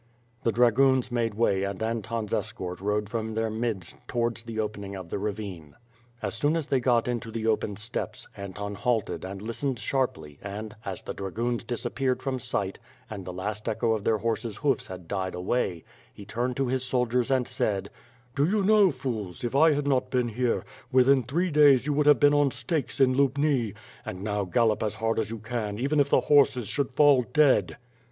The dragoons made way and Anton's escort rode from their midst towards the opening of the ravine. As soon as they got into the open steppes, Anton halted and listened sharply and, as the dragoons disappeared from sdght and the last echo of their horses' hoofs had died away, he turned to his soldiers and said: "Do you know, fools, if I had not been here, within three days you would have been on stakes in Lubni ; and now gallop as hard as you can, even if the horses should fall dead. They rode forward quickly.